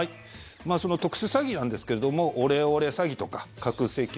特殊詐欺なんですけれどもオレオレ詐欺とか架空請求